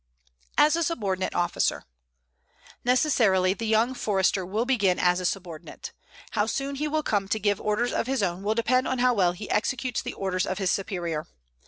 AS A SUBORDINATE OFFICER Necessarily the young Forester will begin as a subordinate. How soon he will come to give orders of his own will depend on how well he executes the orders of his superior.